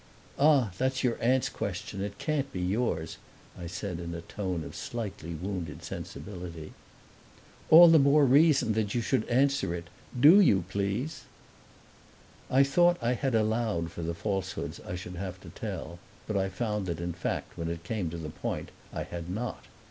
"Ah, that's your aunt's question; it can't be yours!" I said, in a tone of slightly wounded sensibility. "All the more reason then that you should answer it. Do you, please?" I thought I had allowed for the falsehoods I should have to tell; but I found that in fact when it came to the point I had not.